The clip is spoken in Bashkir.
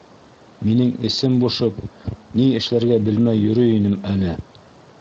Минең эсем бошоп, ни эшләргә белмәй йөрөй инем әле.